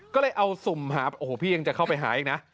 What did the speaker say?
ก็เลยเอาสุ่มหาโอ้โหพี่ยังจะเข้าไปหาอีกนะ